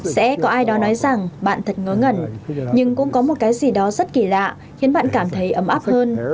sẽ có ai đó nói rằng bạn thật ngó ngẩn nhưng cũng có một cái gì đó rất kỳ lạ khiến bạn cảm thấy ấm áp hơn